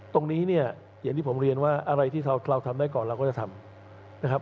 ตรงนี้เนี่ยอย่างที่ผมเรียนว่าอะไรที่เราทำได้ก่อนเราก็จะทำนะครับ